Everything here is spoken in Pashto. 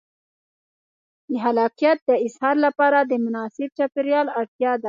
د خلاقیت د اظهار لپاره د مناسب چاپېریال اړتیا ده.